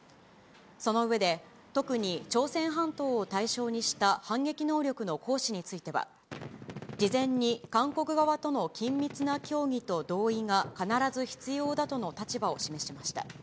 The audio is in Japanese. その上で、特に朝鮮半島を対象にした反撃能力の行使については、事前に韓国側との緊密な協議と同意が必ず必要だとの立場を示しました。